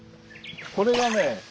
これがね